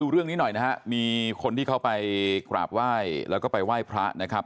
เรื่องนี้หน่อยนะฮะมีคนที่เขาไปกราบไหว้แล้วก็ไปไหว้พระนะครับ